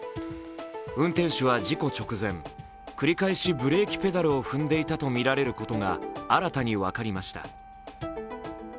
運転手は事故直前繰り返しブレーキペダルを踏んでいたとみられることが新たに分かりました。